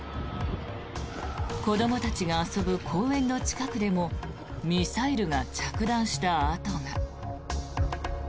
子どもたちが遊ぶ公園の近くでもミサイルが着弾した跡が。